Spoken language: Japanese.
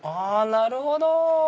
なるほど！